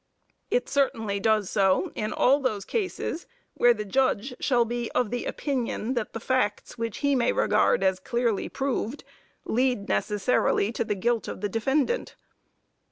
It certainly does so in all those cases, where the judge shall be of the opinion that the facts which he may regard as clearly proved, lead necessarily to the guilt of the defendant.